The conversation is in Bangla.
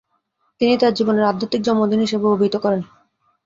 তিনি তাঁর জীবনের ‘আধ্যাত্মিক জন্মদিন’ হিসেবে অবিহিত করেন।